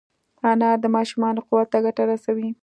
انار د ماشومانو قوت ته ګټه رسوي.